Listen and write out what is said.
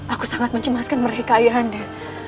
aku sangat mencemaskan mereka ayah anda